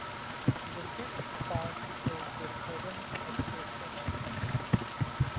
The fifth part is the southern access ramp.